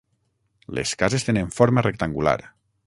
Les cases tenen forma rectangular.